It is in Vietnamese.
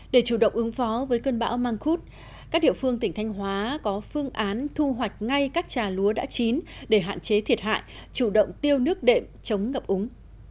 để chủ động ứng phó với cơn bão mang khúc các địa phương tỉnh thanh hóa có phương án thu hoạch ngay các trà lúa đã chín để hạn chế thiệt hại chủ động tiêu nước đệm chống ngập úng